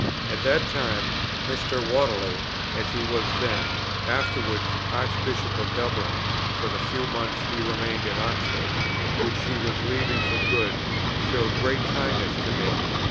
At that time, Mr. Whately, as he was then, afterwards Archbishop of Dublin, for the few months he remained in Oxford, which he was leaving for good, showed great kindness to me.